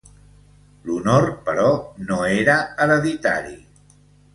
L'honor, però, no era hereditari.